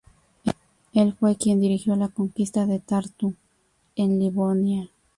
Él fue quien dirigió la conquista de Tartu en Livonia.